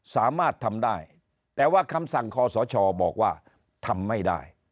สามารถทำได้แต่ว่าคำสั่งคอสชบอกว่าทำไม่ได้